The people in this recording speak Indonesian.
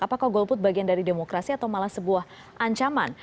apakah golput bagian dari demokrasi atau malah sebuah ancaman